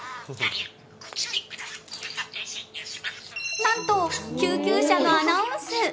なんと救急車のアナウンス。